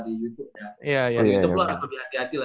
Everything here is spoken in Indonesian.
di youtube harus lebih hati hati lah